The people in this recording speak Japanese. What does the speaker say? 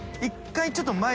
１回ちょっと前。